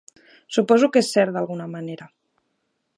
Suposo que és cert d'alguna manera.